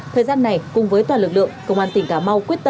thời gian này cùng với toàn lực lượng công an tỉnh cà mau quyết tâm